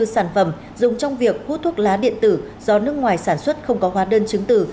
hai trăm ba mươi bốn sản phẩm dùng trong việc hút thuốc lá điện tử do nước ngoài sản xuất không có hóa đơn chứng tử